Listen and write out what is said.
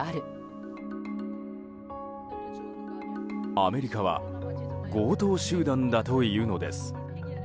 アメリカは強盗集団だというのです。